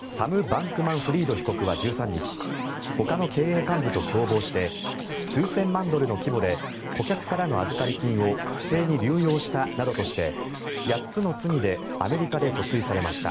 サム・バンクマンフリード容疑者は１３日ほかの経営幹部と共謀して数千万ドルの規模で顧客からの預かり金を不正に流用したなどとして８つの罪でアメリカで訴追されました。